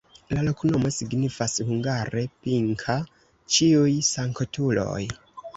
La loknomo signifas hungare: Pinka-Ĉiuj Sanktuloj.